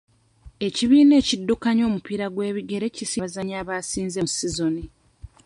Ekibiina ekiddukanya omupiira gw'ebigere kisiimye abazannyi abasinze mu sizoni.